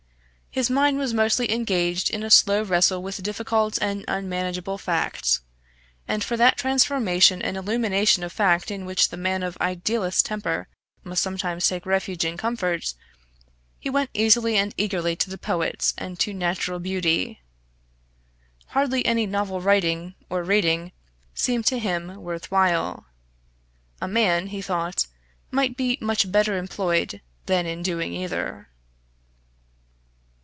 His mind was mostly engaged in a slow wrestle with difficult and unmanageable fact; and for that transformation and illumination of fact in which the man of idealist temper must sometimes take refuge and comfort, he went easily and eagerly to the poets and to natural beauty. Hardly any novel writing, or reading, seemed to him worth while. A man, he thought, might be much better employed than in doing either.